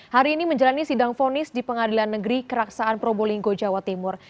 hari ini menjalani sidang fonis di pengadilan negeri keraksaan probolinggo jawa timur